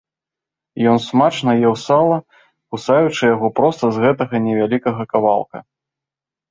Ён смачна еў сала, кусаючы яго проста з гэтага невялікага кавалка.